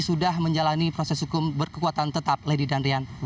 sudah menjalani proses hukum berkekuatan tetap lady danrian